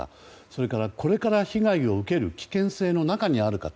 それからこれから被害を受ける危険性の中にある方。